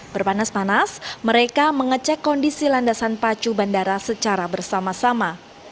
berpanas panas mereka mengecek kondisi landasan pacu bandara secara bersama sama